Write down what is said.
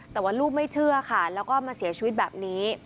แต่ว่าลูกไม่เชื่อค่ะแล้วก็มาเสียชีวิตแบบนี้